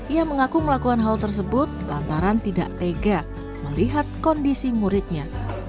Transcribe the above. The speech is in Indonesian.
ia mengaku melakukan hal tersebut lantaran tidak tega melihat kondisi muridnya